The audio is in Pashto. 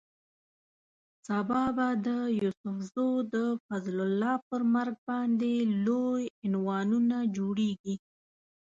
سبا به د یوسف زو د فضل الله پر مرګ باندې لوی عنوانونه جوړېږي.